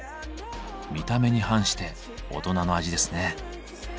見た目に反して大人の味ですね。